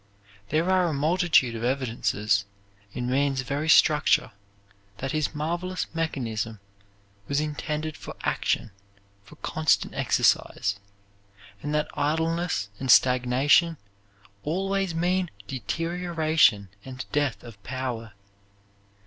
There are a multitude of evidences in man's very structure that his marvelous mechanism was intended for action, for constant exercise, and that idleness and stagnation always mean deterioration and death of power.